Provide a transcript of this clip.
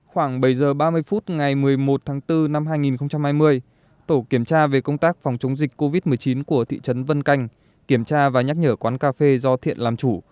khoảng bảy h ba mươi phút ngày một mươi một tháng bốn năm hai nghìn hai mươi tổ kiểm tra về công tác phòng chống dịch covid một mươi chín của thị trấn vân canh kiểm tra và nhắc nhở quán cà phê do thiện làm chủ